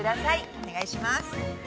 お願いします。